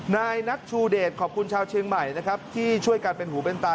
นายนักชูเดชขอบคุณชาวเชียงใหม่นะครับที่ช่วยกันเป็นหูเป็นตา